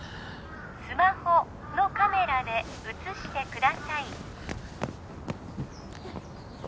スマホのカメラで写してください